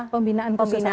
pembinaan khusus anak